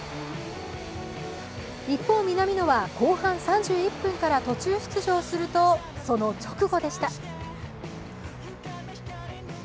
一方、南野は後半３１分から途中出場するとその直後でした。